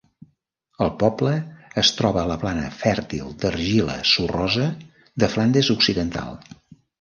El poble es troba a la plana fèrtil d'argila sorrosa de Flandes Occidental.